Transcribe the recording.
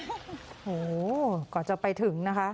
โอ้โหกว่าจะไปถึงนะคะ